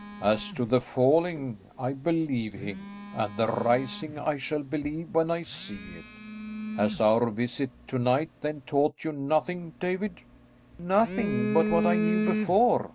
"As to the falling, I believe him, and the rising I shall believe when I see it. Has our visit to night then taught you nothing, David?" "Nothing but what I knew before.